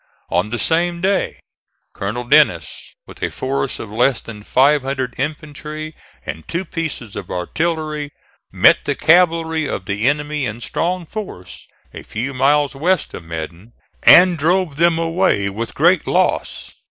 On the same day Colonel Dennis, with a force of less than 500 infantry and two pieces of artillery, met the cavalry of the enemy in strong force, a few miles west of Medon, and drove them away with great loss.